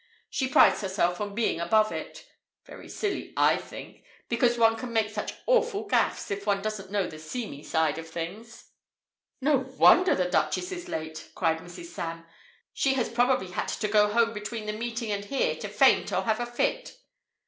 She prides herself on 'being above it'. Very silly, I think. Because one can make such awful 'gaffs' if one doesn't know the seamy side of things." "No wonder the Duchess is late!" cried Mrs. Sam. "She has probably had to go home between the meeting and here to faint or have a fit."